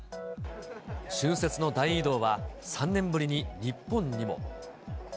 春節の大移動は、３年ぶりに日本にも。